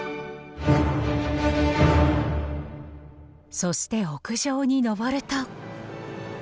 そして屋上に上ると。